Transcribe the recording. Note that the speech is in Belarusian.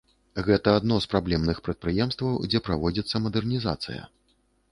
Гэта адно з праблемных прадпрыемстваў, дзе праводзіцца мадэрнізацыя.